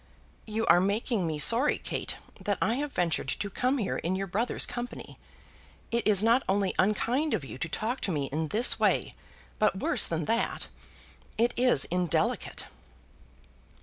"You are making me sorry, Kate, that I have ventured to come here in your brother's company. It is not only unkind of you to talk to me in this way, but worse than that it is indelicate."